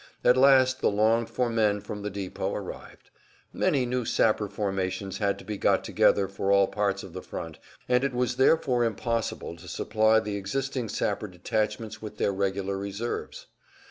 At last the longed for men from the depot arrived. Many new sapper formations had to be got together for all parts of the front, and it was therefore impossible to supply the existing sapper detachments with their regular reserves.